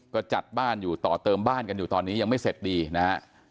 ก็จัดบ้านอยู่ต่อเติมบ้านกันอยู่ตอนนี้ยังไม่เสร็จดีนะฮะ